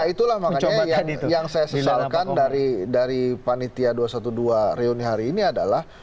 nah itulah makanya yang saya sesalkan dari panitia dua ratus dua belas reuni hari ini adalah